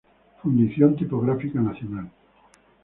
Fundición Tipográfica Nacional